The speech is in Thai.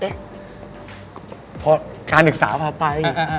พอการศึกษาพาไป